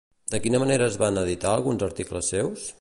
De quina manera es van editar alguns articles seus?